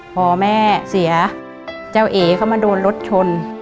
พอแม่เสียเจ้าเอ๋เข้ามาโดนรถชน